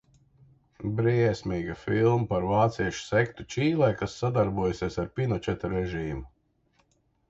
Briesmīga filma par vāciešu sektu Čīlē, kas sadarbojusies ar Pinočeta režīmu.